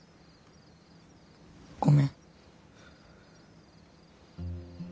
ごめん。